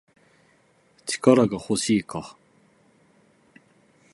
力が欲しいか